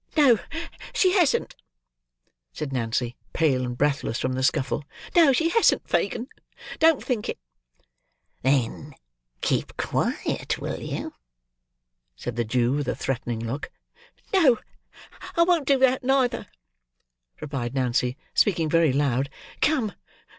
"No, she hasn't," said Nancy, pale and breathless from the scuffle; "no, she hasn't, Fagin; don't think it." "Then keep quiet, will you?" said the Jew, with a threatening look. "No, I won't do that, neither," replied Nancy, speaking very loud. "Come!